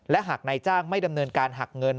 และหากนายจ้างไม่ดำเนินการหักเงิน